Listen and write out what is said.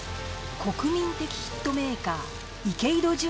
国民的ヒットメーカー池井戸潤